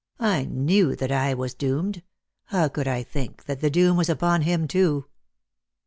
I knew that I was doomed. How could I think that the doom was upon him too